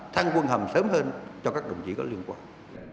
thăng quân hầm sớm hơn cho các đồng chí có liên quan